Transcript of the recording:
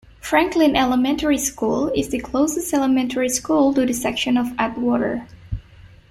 Franklin Elementary School is the closest elementary school to the section of Atwater.